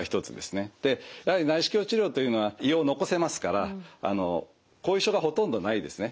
やはり内視鏡治療というのは胃を残せますから後遺症がほとんどないですね。